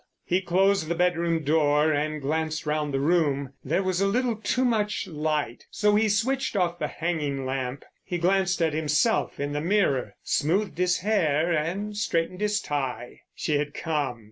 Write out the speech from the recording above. He closed the bedroom door and glanced round the room. There was a little too much light, so he switched off the hanging lamp. He glanced at himself in the mirror, smoothed his hair and straightened his tie. She had come.